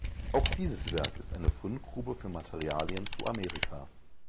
Auch dieses Werk ist eine Fundgrube für Materialien zu Amerika.